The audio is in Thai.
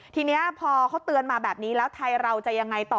ทีนี้พอเขาเตือนมาแบบนี้แล้วไทยเราจะยังไงต่อ